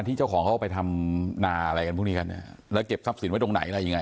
ที่เขาไปทำนาอะไรกันพวกนี้กันเนี่ยแล้วเก็บทรัพย์สินไว้ตรงไหนอะไรยังไง